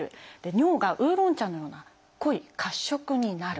尿がウーロン茶のような濃い褐色になる。